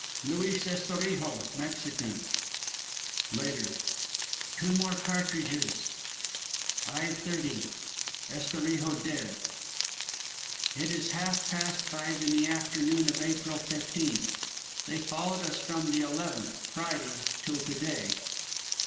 "Luis Estorijo, Mexican "Later. Two more cartridges. "Five thirty. Estorijo dead. "It is half past five in the afternoon of April fifteenth. They followed us from the eleventh Friday till to day.